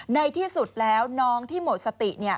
ในที่สุดแล้วน้องที่หมดสติ